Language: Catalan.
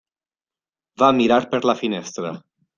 Va mirar per la finestra.